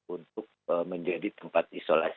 untuk menjadi tempat isolasi